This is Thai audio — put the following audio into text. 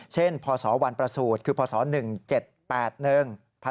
เช่นพศวันประสูจน์คือพศ๑๗๘๑ปี๑๗๘๑